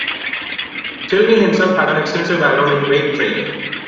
Tilney himself had an extensive background in weight training.